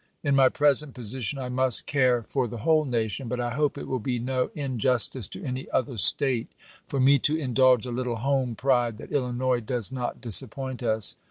In my present position, I must care for the whole nation ; but I hope it will be no injus tice to any other State for me to indulge a little home pride that Illinois does not disappoint us.